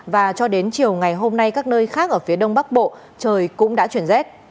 và cho đến chiều ngày hôm nay các nơi khác ở phía đông bắc bộ trời cũng đã chuyển rét